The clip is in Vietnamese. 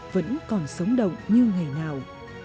vẫn còn sống đồng như ngày nào